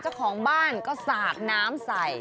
เจ้าของบ้านก็สาดน้ำใส่